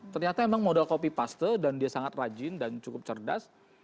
ternyata emang model kopi paste dan dia sangat rajin dan cukup cerdas